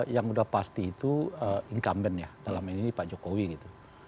yang udah pasti itu incumbent ya dalam ini pak jokowi gitu